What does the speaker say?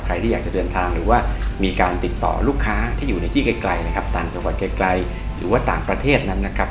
ใครที่อยากจะเดินทางหรือว่ามีการติดต่อลูกค้าที่อยู่ในที่ไกลนะครับต่างจังหวัดไกลหรือว่าต่างประเทศนั้นนะครับ